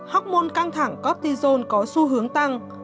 hormôn căng thẳng cortisone có xu hướng tăng